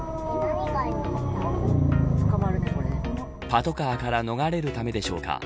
パトカーから逃れるためでしょうか。